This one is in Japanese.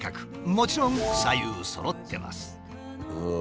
もちろん左右そろってます。